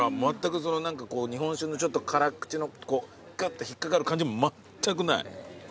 何かこう日本酒のちょっと辛口のこうくっと引っ掛かる感じもまったくない！